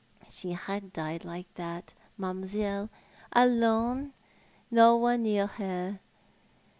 She had died like that, mam'selle, alone, no one near her.